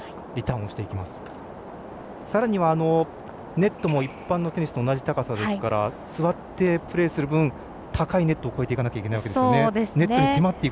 ネットも一般のテニスと同じ高さですから座ってプレーする分高いネットを越えていかないといけないわけですね。